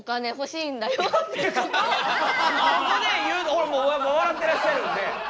ほらもう笑ってらっしゃるんで。